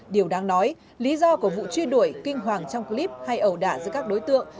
điều đáng nói lý do của vụ truy đuổi kinh hoàng trong clip hay ẩu đả giữa các đối tượng